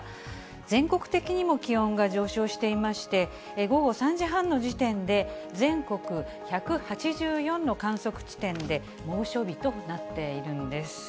全国的にも気温が上昇していまして、午後３時半の時点で、全国１８４の観測地点で猛暑日となっているんです。